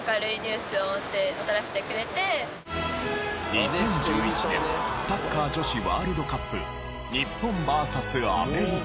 ２０１１年サッカー女子ワールドカップ日本ＶＳアメリカ。